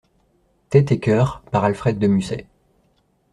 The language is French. Tête et Coeur, par Alfred de Musset.